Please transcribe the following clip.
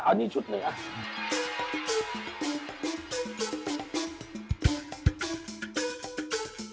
เอานี่ชุดหนึ่งอ่ะ